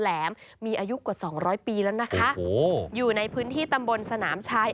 แหลมมีอายุกว่าสองร้อยปีแล้วนะคะโอ้อยู่ในพื้นที่ตำบลสนามชาย